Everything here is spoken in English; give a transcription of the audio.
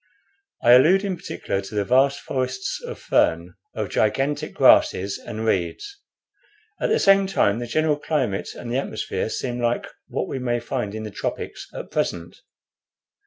I allude in particular to the vast forests of fern, of gigantic grasses and reeds. At the same time the general climate and the atmosphere seem like what we may find in the tropics at present.